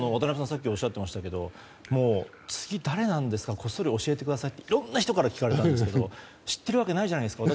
さっきおっしゃってましたけど次誰なんですかこっそり教えてくださいっていろんな人から聞かれたんですが知ってるわけないじゃないですか。